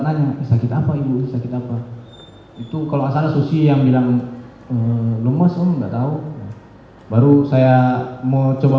nanya sakit apa ibu sakit apa itu kalau gak salah susi yang bilang lemes ibu gak tahu baru saya mencoba